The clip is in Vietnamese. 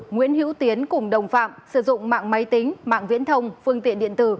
nguyễn hữu tiến cùng đồng phạm sử dụng mạng máy tính mạng viễn thông phương tiện điện tử